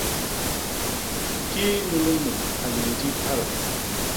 Kii nunu mut a yé ndip hala?